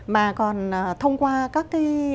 mà còn thông qua các cái